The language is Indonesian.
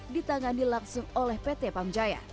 ditangani langsung oleh pt pamjaya